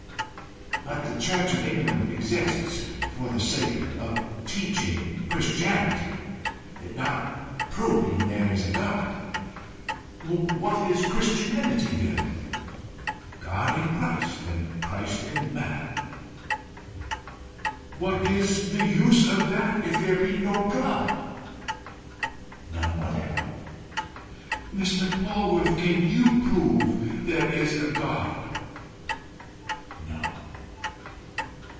"But the church of England exists for the sake of teaching Christianity, not proving that there is a God." "What is Christianity, then?" "God in Christ, and Christ in man." "What is the use of that if there be no God?" "None whatever." "Mr. Polwarth, can you prove there is a God?" "No."